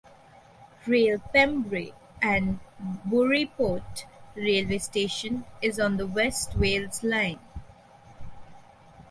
Rail - Pembrey and Burry Port railway station is on the West Wales Line.